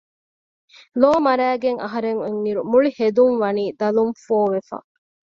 ލޯ މަރައިގެން އަހަރެން އޮތް އިރު މުޅި ހެދުން ވަނީ ދަލުން ފޯ ވެފަ